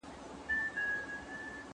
موږ د اصلاحاتو پلویان یو.